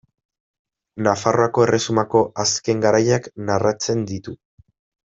Nafarroako erresumako azken garaiak narratzen ditu.